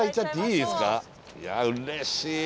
いやうれしい。